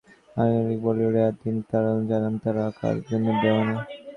কারিনার পাশাপাশি বলিউডের আরও তিন তারকা জানান তাঁরা কার জন্য দিওয়ানা।